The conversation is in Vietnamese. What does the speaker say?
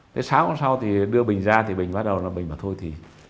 thế sáng hôm sau thì đưa bình ra thì bình bắt đầu là bình bảo thôi thì